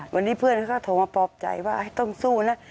วันนี้เพื่อนเขาก็โทรมาปลอบใจว่าต้องสู้นะ